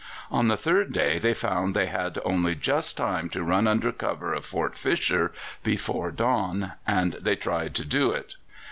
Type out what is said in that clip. On the third day they found they had only just time to run under cover of Fort Fisher before dawn, and they tried to do it.